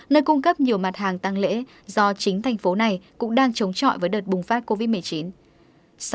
nơi cung cấp nhiều mặt hàng tăng lễ do chính thành phố này cũng đang chống chọi với đợt bùng phát covid một mươi chín